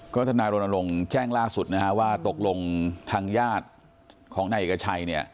ก็ถ้านายรนดรงค์แจ้งล่าสุดว่าตกลงทางญาติของนายเอกชัย